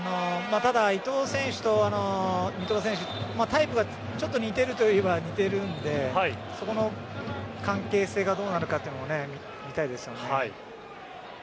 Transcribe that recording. ただ伊東選手と三笘選手タイプがちょっと似ているといえば似ているのでそこの関係性がどうなるかというのは見たいですね。